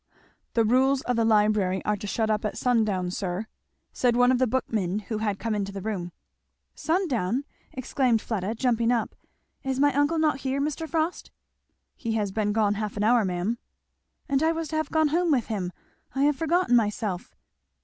"The rules of the library are to shut up at sundown, sir," said one of the bookmen who had come into the room. "Sundown!" exclaimed Fleda jumping up; "is my uncle not here, Mr. Frost?" "He has been gone half an hour, ma'am." "And I was to have gone home with him I have forgotten myself."